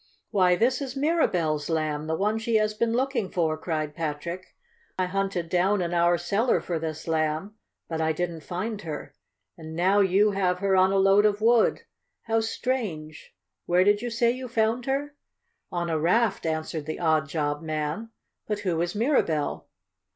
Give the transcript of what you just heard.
"Why, this is Mirabell's Lamb! The one she has been looking for!" cried Patrick. "I hunted down in our cellar for this Lamb, but I didn't find her. And now you have her on a load of wood! How strange! Where did you say you found her?" "On the raft," answered the odd job man. "But who is Mirabell?"